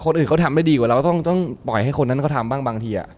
เราทำได้ดีกว่าเราต้องปล่อยให้คนนั้นเขาทำบ้างบางทีอะ